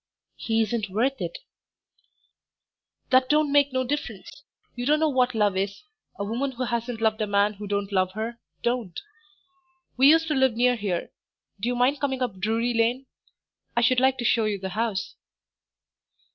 "He isn't worth it." "That don't make no difference. You don't know what love is; a woman who hasn't loved a man who don't love her, don't. We used to live near here. Do you mind coming up Drury Lane? I should like to show you the house."